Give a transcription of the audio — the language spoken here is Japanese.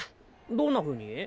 どんなふうに？